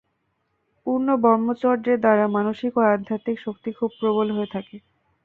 পূর্ণ ব্রহ্মচর্যের দ্বারা মানসিক ও আধ্যাত্মিক শক্তি খুব প্রবল হয়ে থাকে।